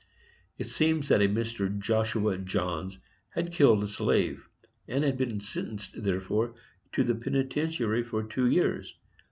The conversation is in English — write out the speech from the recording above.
It seems a Mr. Joshua Johns had killed a slave, and had been sentenced therefor to the penitentiary for two years.